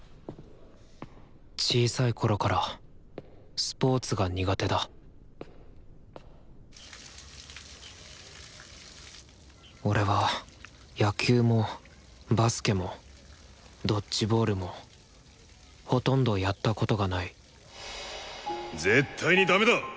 小さいころからスポーツが苦手だ俺は野球もバスケもドッジボールもほとんどやったことがない絶対にダメだ！